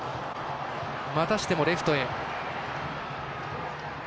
またしてもレフトへ。